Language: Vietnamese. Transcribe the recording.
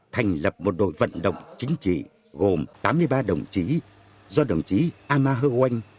thành lập một đội vận động chính trị gồm tám mươi ba đồng chí do đồng chí ama hơnh